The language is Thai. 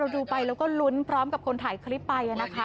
ดูไปแล้วก็ลุ้นพร้อมกับคนถ่ายคลิปไปนะคะ